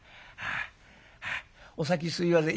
お先すいません。